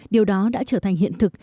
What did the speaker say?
điều đó đã trở thành hiện thực